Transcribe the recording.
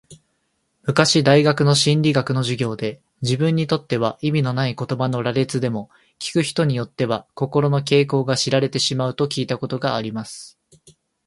昔大学の心理学の授業で、自分にとっては意味のない言葉の羅列でも、聞く人によっては、心の傾向が知られてしまうと聞いたことがあります。